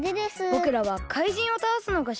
ぼくらはかいじんをたおすのがしごとなので。